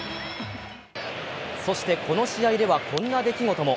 そして、この試合ではこんな出来事も。